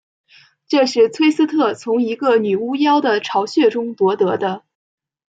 这是崔斯特从一个女巫妖的巢穴中夺得的。